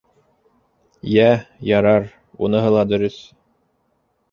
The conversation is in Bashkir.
— Йә, ярар, уныһы ла дөрөҫ.